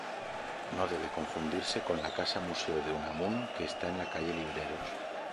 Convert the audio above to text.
No debe confundirse con la Casa-museo de Unamuno que está en la calle Libreros.